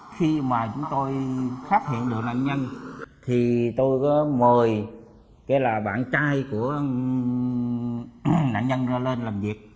khi mà chúng tôi phát hiện được nạn nhân thì tôi có mời là bạn trai của nạn nhân ra lên làm việc